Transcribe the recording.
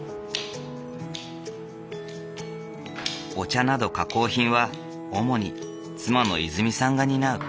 お茶など加工品は主に妻のいづみさんが担う。